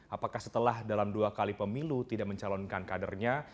apakah setelah dalam dua kali pemilu tidak mencalonkan kadernya